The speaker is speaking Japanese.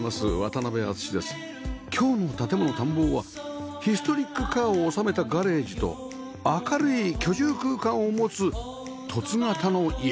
今日の『建もの探訪』はヒストリックカーを収めたガレージと明るい居住空間を持つ凸形の家